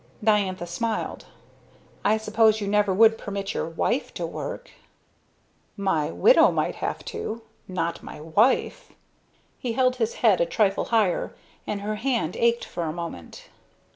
Diantha smiled. "I suppose you never would permit your wife to work?" "My widow might have to not my wife." He held his fine head a trifle higher, and her hand ached for a moment.